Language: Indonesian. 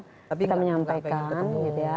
kita menyampaikan gitu ya